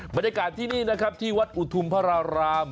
บรรยากาศที่นี่นะครับที่วัดอุทุมพระราราม